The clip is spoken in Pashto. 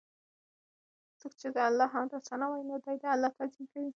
څوک چې د الله حمد او ثناء وايي، نو دی د الله تعظيم کوي